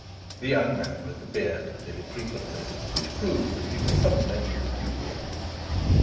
The young man with the beard did it frequently, which proved that he was fundamentally ducal.